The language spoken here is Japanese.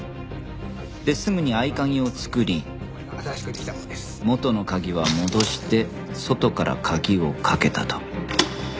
ですぐに合鍵を作り元の鍵は戻して外から鍵をかけたと。